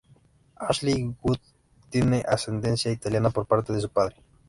Ashley Judd tiene ascendencia italiana por parte de su padre.